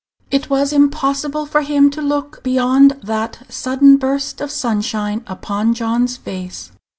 It was impossible for him to look beyond that sudden burst of sunshine upon John's face.